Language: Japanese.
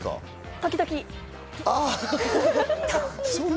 時々。